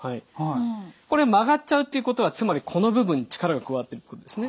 これ曲がっちゃうっていうことはつまりこの部分に力が加わってるってことですね。